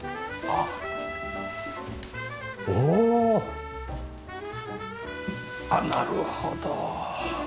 あっなるほど。